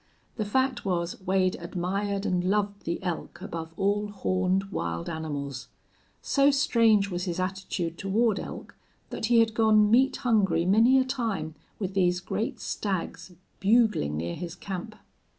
The fact was Wade admired and loved the elk above all horned wild animals. So strange was his attitude toward elk that he had gone meat hungry many a time with these great stags bugling near his camp.